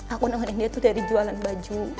aku nontonin dia dari jualan baju